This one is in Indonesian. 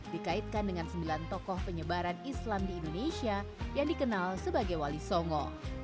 dikaitkan dengan sembilan tokoh penyebaran islam di indonesia yang dikenal sebagai wali songo